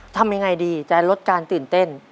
ทำยังไงดีจะลดการตื่นเต้น